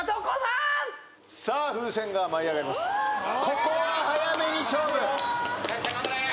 さあ風船が舞い上がります。